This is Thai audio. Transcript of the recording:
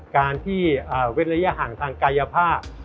การที่เวทยาห่างทางกายภาพ